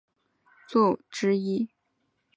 专辑中风中的承诺成为其代表作之一。